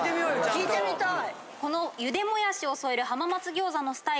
聞いてみたい。